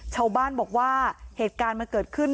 ชาวบ้านบอกว่าเหตุการณ์มันเกิดขึ้น